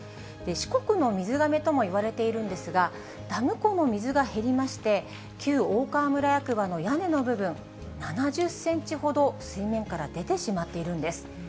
四国の水がめともいわれているんですが、ダム湖の水が減りまして、旧大川村役場の屋根の部分、７０センチほど水面から出てしまっているんです。